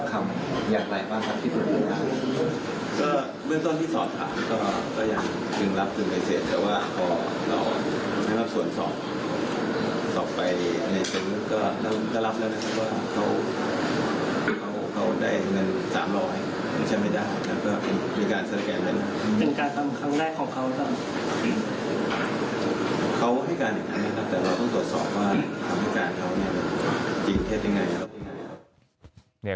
เขาให้การอย่างนั้นแต่เราต้องตรวจสอบว่าทำให้การเขาจริงแท้ได้ไง